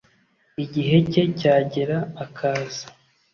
Igihe cye cyagera akaza